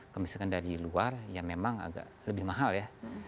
kemudian dari luar yang memang agak lebih mahal ya